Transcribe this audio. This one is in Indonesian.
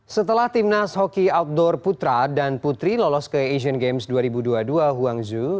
setelah timnas hoki outdoor putra dan putri lolos ke asian games dua ribu dua puluh dua huangzhou